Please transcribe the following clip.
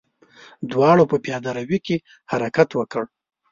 دواړو په پياده رو کې حرکت وکړ.